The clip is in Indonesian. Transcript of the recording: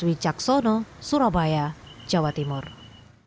bagaimana cara pemerintah menemukan kemampuan medis di surabaya